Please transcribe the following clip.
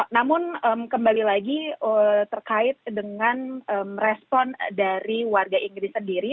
namun kembali lagi terkait dengan respon dari warga inggris sendiri